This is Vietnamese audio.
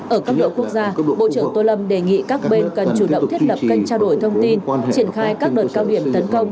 ở cấp độ quốc gia bộ trưởng tô lâm đề nghị các bên cần chủ động thiết lập kênh trao đổi thông tin triển khai các đợt cao điểm tấn công